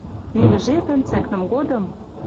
Нелӹ жепӹн, цӓкнӹм годым